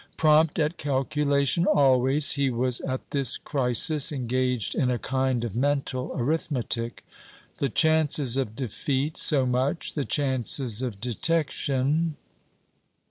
Prompt at calculation always, he was at this crisis engaged in a kind of mental arithmetic. "The chances of defeat, so much; the chances of detection